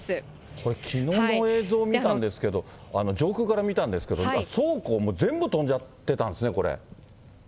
これきのうの映像見たんですけど、上空から見たんですけれども、倉庫、もう全部飛んじゃってたんですね、これ。